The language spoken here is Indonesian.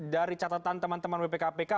dari catatan teman teman wpkpk